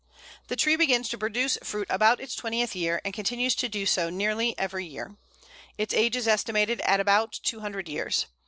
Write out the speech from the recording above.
The tree begins to produce fruit about its twentieth year, and continues to do so nearly every year. Its age is estimated as about two hundred years.